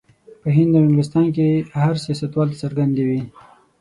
په هند او انګلستان کې هر سیاستوال ته څرګندې وې.